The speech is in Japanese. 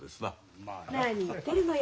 何言ってるのよ